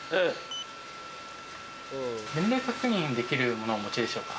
年齢確認できるものをお持ちでしょうか？